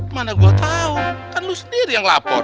mana gua tau kan lu sendiri yang lapor